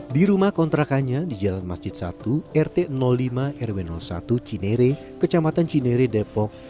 di rumah kontrakannya di jalan masjid satu rt lima rw satu cinere kecamatan cinere depok